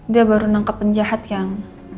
dia baru nangkep penjahat yang